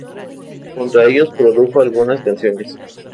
Junto a ellos produjo algunas canciones.